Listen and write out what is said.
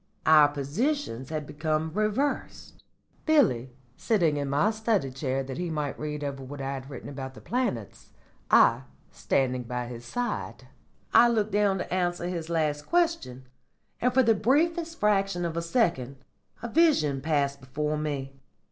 "Our positions had become reversed Billy sitting in my study chair that he might read over what I had written about the planets, I standing by his side. I looked down to answer his last question, and for the briefest fraction of a second a vision passed before me.